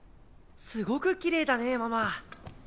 すごくきれいだねママ。